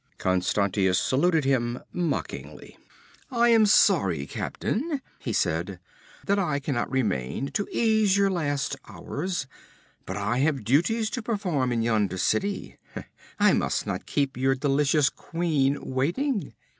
Constantius saluted him mockingly. 'I am sorry, captain,' he said, 'that I cannot remain to ease your last hours, but I have duties to perform in yonder city I must not keep your delicious queen waiting!'